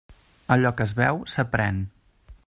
Allò que es veu, s'aprèn.